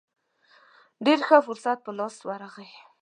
ډېر ښه فرصت په لاس ورغی.